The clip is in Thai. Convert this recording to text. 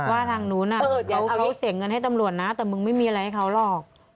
ว่าทางนู้นเดี๋ยวเขาเสียเงินให้ตำรวจนะแต่มึงไม่มีอะไรให้เขาหรอก